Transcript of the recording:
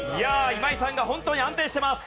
今井さんがホントに安定してます。